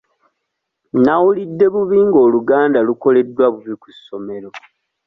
Nnawulidde bubi nga Oluganda lukoleddwa bubi ku ssomero.